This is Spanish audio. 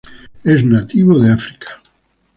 Es nativo de África.